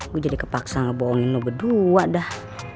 gue jadi kepaksa ngebohongin lo berdua dah